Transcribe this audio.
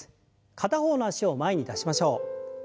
片方の脚を前に出しましょう。